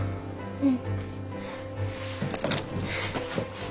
うん。